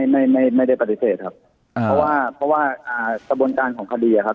ไม่ไม่ไม่ได้ปฏิเสธครับเพราะว่าเพราะว่าอ่ากระบวนการของคดีอะครับ